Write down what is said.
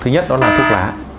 thứ nhất đó là thuốc lá